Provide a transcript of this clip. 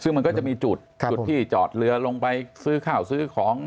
ซึ่งมันก็จะมีจุดจุดที่จอดเรือลงไปซื้อข้าวซื้อของ